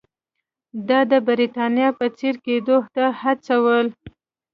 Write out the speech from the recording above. دا د برېټانیا په څېر کېدو ته هڅول.